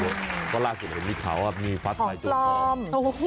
เพราะล่าสุดเห็นวิสาหกริจขาวมีฟ้าทะลายจนกลอม